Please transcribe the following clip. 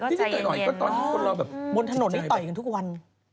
ตอนที่คนเราบนถนนที่ต่อยกันทุกวัน